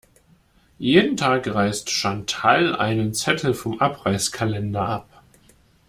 Jeden Tag reißt Chantal einen Zettel vom Abreißkalender ab.